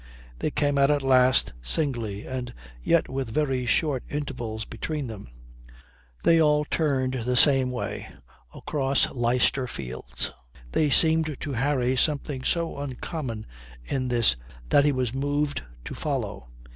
They came out at last singly, and yet with very short intervals between them. They all turned the same way across Leicester Fields. There seemed to Harry something so uncommon in this that he was moved to follow.